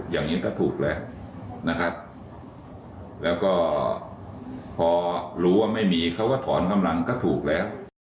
อย่างนี้ก็ถูกแล้วนะครับแล้วก็พอรู้ว่าไม่มีเขาก็ถอนกำลังก็ถูกแล้ว